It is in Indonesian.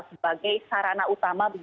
sebagai sarana utama